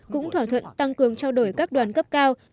cũng thỏa thuận tăng cường trao đổi các đoàn cấp cao